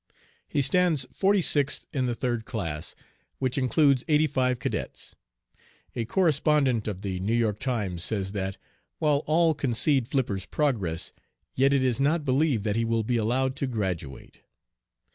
He stands forty sixth in the third class, which includes eighty five cadets. A correspondent of the New York Times says that, while all concede Flipper's progress, yet it is not believed that he will be allowed to graduate.